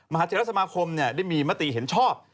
มหาเทศรสมาคมมีมติเห็นชอบ